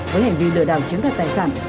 với hành vi lừa đảo chiếm đoạt tài sản